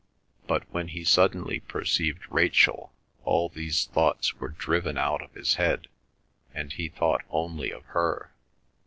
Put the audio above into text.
But when he suddenly perceived Rachel, all these thoughts were driven out of his head, and he thought only of her.